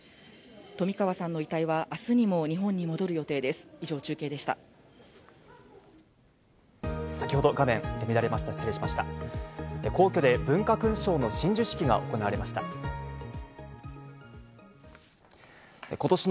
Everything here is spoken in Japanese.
冨川さんの遺体は明日にも日本に戻る予定です。